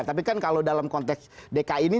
tapi kan kalau dalam konteks dki ini